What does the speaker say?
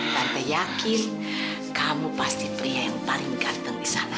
tante yakin kamu pasti pria yang paling ganteng di sana